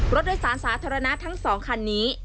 รถโดยสารสาธารณะทั้ง๒คันนี้